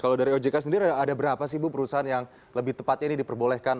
kalau dari ojk sendiri ada berapa sih bu perusahaan yang lebih tepatnya ini diperbolehkan